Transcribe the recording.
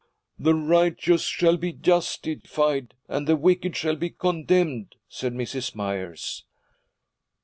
'The righteous shall be justified, and the wicked shall be condemned,' said Mrs. Myers.